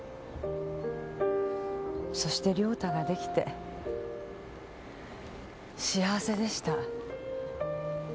そして良太が出来て幸せでした。